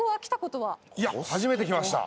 いや初めて来ました。